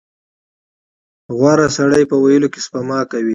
• غوره سړی په ویلو کې سپما کوي.